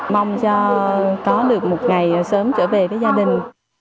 mong cho có được một ngày sớm trở về với gia đình